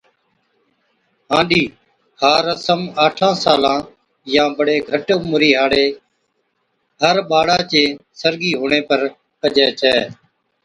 هاڏِي، ھا رسم آٺان سالان يان بڙي گھٽ عمرِي ھاڙي ھر ٻاڙا چي سرگِي ھُوَڻي پر ڪجَي ڇَي